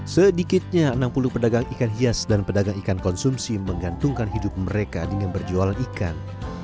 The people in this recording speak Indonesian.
sedikitnya enam puluh pedagang ikan hias dan pedagang ikan konsumsi menggantungkan hidup mereka dengan berjualan ikan